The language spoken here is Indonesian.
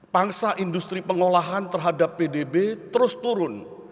pangsa industri pengolahan terhadap pdb terus turun